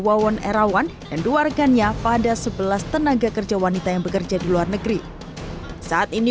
wawon erawan dan dua rekannya pada sebelas tenaga kerja wanita yang bekerja di luar negeri saat ini